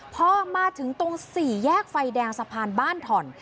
พอมาถึงตรงสี่แยกไฟแดงสะพานบ้านถ่อน